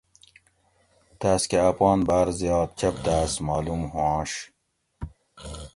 تاۤس کہ اپان باۤر زیات چپداۤس معلوم ہوانش